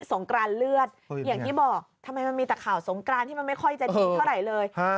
งกรานเลือดอย่างที่บอกทำไมมันมีแต่ข่าวสงกรานที่มันไม่ค่อยจะดีเท่าไหร่เลย